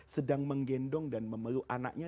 sedang menggendong dan memeluk anaknya